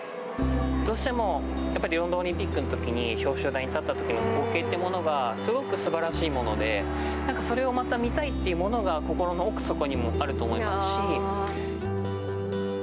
どうしてもロンドンオリンピックのときに表彰台に立ったときの光景ってものがすごくすばらしいものでそれをまた見たいってものが心の奥底にもあると思いますし。